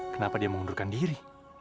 kenapa dia mengundurkan diri